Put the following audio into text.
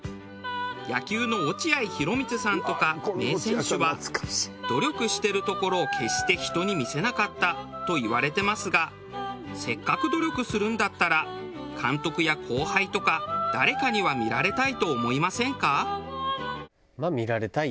野球の落合博満さんとか名選手は努力してるところを決して人に見せなかったといわれてますがせっかく努力するんだったら監督や後輩とか誰かには見られたいと思いませんか？